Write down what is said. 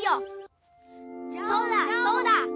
そうだそうだ！